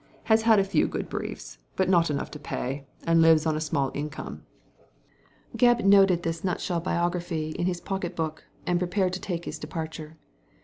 Has had a few briefs, but not enough to pay« and lives on a small income." Gebb noted this nutshell biography in his pocket book, and prepared to talce bis departure.